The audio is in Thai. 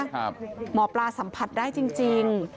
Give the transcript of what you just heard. หมอปลาสัมผัสได้จริง